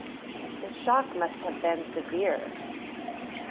The shock must have been severe.